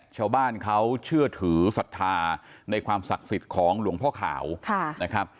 ชาวบ้านเขาเชื่อถือศรัทธาในความศักดิ์สิทธิ์ของหลวงพ่อขาวนะครับ